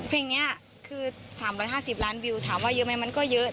เพลงนี้คือ๓๕๐ล้านวิวถามว่าเยอะไหมมันก็เยอะ